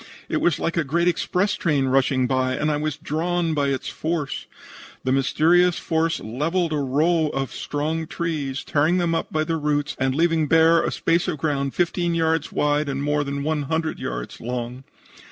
It was like a great express train rushing by, and I was drawn by its force. The mysterious force levelled a row of strong trees, tearing them up by the roots and leaving bare a space of ground fifteen yards wide and more than one hundred yards long.